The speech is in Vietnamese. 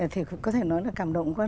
thì có thể nói là cảm động quá